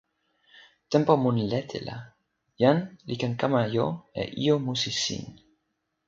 tenpo mun lete la, jan li ken kama jo e ijo musi sin.